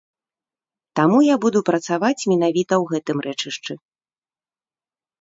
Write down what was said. Таму я буду працаваць менавіта ў гэтым рэчышчы.